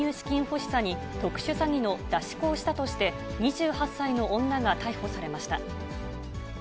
欲しさに、特殊詐欺の出し子をしたとして、２８歳の女が逮捕されました。